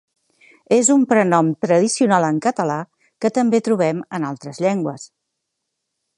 És un prenom tradicional en català que també trobem en altres llengües.